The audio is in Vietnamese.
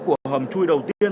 của hầm chui đầu tiên